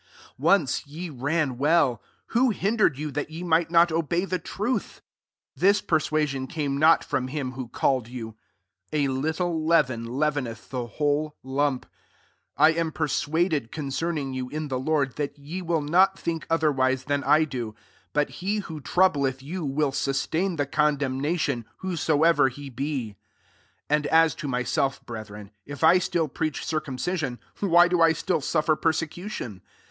7 Once ye ran well : who hindered you that ye might not obey the truth ? 8 This persua sion came not from him who called you. 9 A little leaven leaveneth the whole lump. 10 I am persuaded concerning you» in the Lord, that ye will not think otherwise than I do: but he who troubleth you will sustain the condemnation, who soever he be. 11 And aa to myself, breth ren, if I still preach circumci sion, why do I still suffer per secution?